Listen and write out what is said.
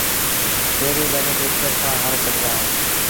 پيريݩ ٻنيٚ ٽيڪٽر سآݩ هر ڪڍبآ اهيݩ